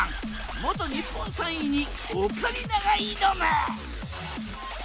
元日本３位にオカリナが挑む！